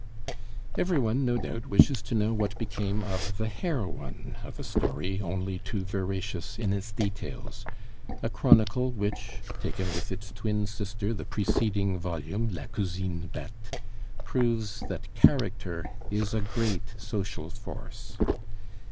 Every one, no doubt, wishes to know what became of the heroine of a story only too veracious in its details; a chronicle which, taken with its twin sister the preceding volume, La Cousine Bette, proves that Character is a great social force.